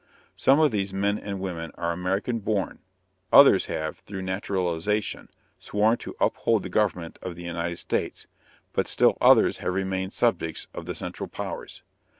Some of these men and women are American born, others have, through naturalization, sworn to uphold the government of the United States, but still others have remained subjects of the Central Powers.